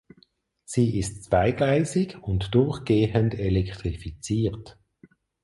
Sie ist zweigleisig und durchgehend elektrifiziert.